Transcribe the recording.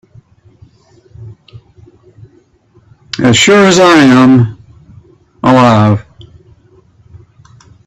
As sure as I am alive